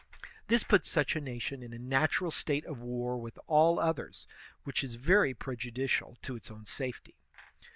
This puts such a nation in a natural state of war with all others, which is very prejudicial to its own safety.